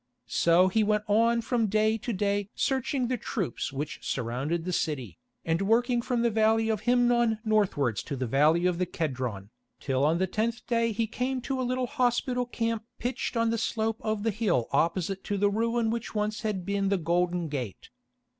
So he went on from day to day searching the troops which surrounded the city, and working from the Valley of Himnon northwards along the Valley of the Kedron, till on the tenth day he came to a little hospital camp pitched on the slope of the hill opposite to the ruin which once had been the Golden Gate.